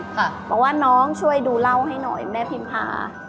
บอกว่าน้องช่วยดูเล่าให้หน่อยแม่พิมพา